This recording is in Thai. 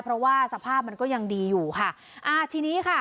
เพราะว่าสภาพมันก็ยังดีอยู่ค่ะอ่าทีนี้ค่ะ